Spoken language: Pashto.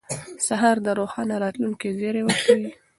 سهار د روښانه راتلونکي زیری ورکوي.